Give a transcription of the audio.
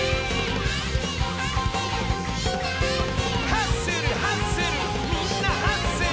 「ハッスルハッスルみんなハッスル」